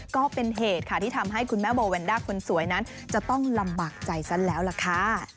ก็เป็นเหตุค่ะที่ทำให้คุณแม่โบแวนด้าคนสวยนั้นจะต้องลำบากใจซะแล้วล่ะค่ะ